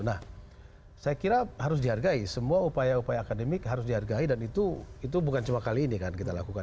nah saya kira harus dihargai semua upaya upaya akademik harus dihargai dan itu bukan cuma kali ini kan kita lakukan